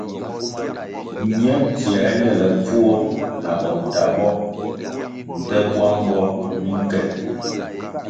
Ñe tsiē ñelepfuo na bo ndta bo, nte bwang bo minke.